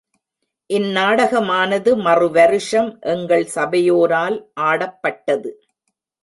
இந்நாடகமானது மறு வருஷம் எங்கள் சபையோரால் ஆடப்பட்டது.